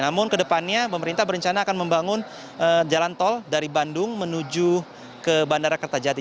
namun kedepannya pemerintah berencana akan membangun jalan tol dari bandung menuju ke bandara kertajati